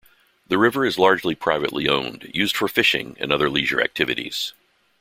The river is largely privately owned, used for fishing and other leisure activities.